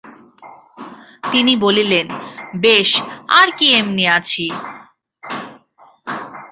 তিনি বলিলেন, বেশ আর কী এমনি আছি!